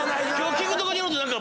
聞くところによると何か。